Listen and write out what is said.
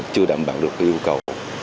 chưa đảm bảo được yêu cầu